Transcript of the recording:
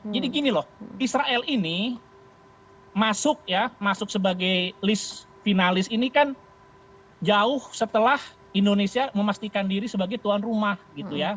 jadi gini loh israel ini masuk ya masuk sebagai list finalis ini kan jauh setelah indonesia memastikan diri sebagai tuan rumah gitu ya